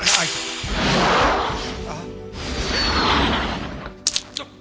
あっ。